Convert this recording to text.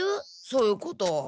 そういうこと。